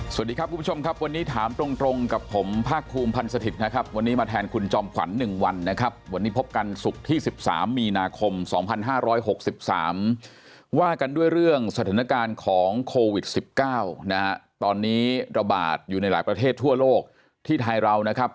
สวัสดีครับคุณผู้ชมครับวันนี้ถามตรงกับผมภาคภูมิพันธ์สถิตย์นะครับวันนี้มาแทนคุณจอมขวัญ๑วันนะครับวันนี้พบกันศุกร์ที่๑๓มีนาคม๒๕๖๓ว่ากันด้วยเรื่องสถานการณ์ของโควิด๑๙นะฮะตอนนี้ระบาดอยู่ในหลายประเทศทั่วโลกที่ไทยเรานะครับ